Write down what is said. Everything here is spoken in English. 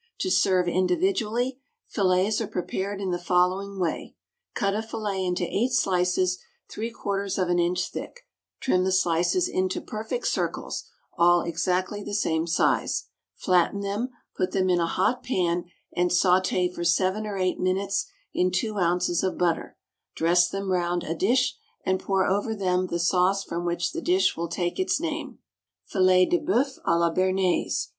To serve individually, fillets are prepared in the following way: Cut a fillet into eight slices three quarters of an inch thick; trim the slices into perfect circles, all exactly the same size; flatten them; put them in a hot pan, and sauté for seven or eight minutes in two ounces of butter; dress them round a dish, and pour over them the sauce from which the dish will take its name. _Filets de Bœuf à la Béarnaise.